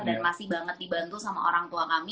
dan masih banget dibantu sama orang tua kami